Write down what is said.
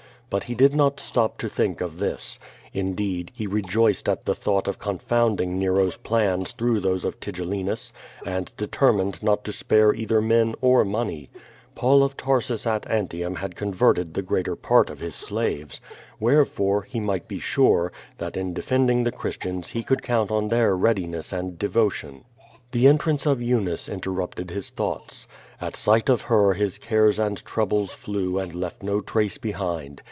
But he did not stop to think oif this. Indeed, he rejoiced at the thought of confounding Nero's plans through those of Tigellinus, and determined not to spare either men or money. Paul of Tarsus at Antium had converted the greater part of his slaves. Wherefore, he might be sure, that in defending the Christians he could count on their readiness and devotion. The entrance of Eunice interrupted his thoughts. At sight of her his cares and troubles flew and left no trace be hind.